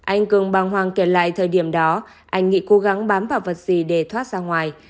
anh cường băng hoàng kể lại thời điểm đó anh nghị cố gắng bám vào vật gì để thoát ra ngoài